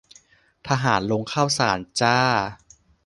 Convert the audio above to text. ทหารลงข้าวสารจร้า